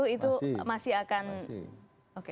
itu masih akan masih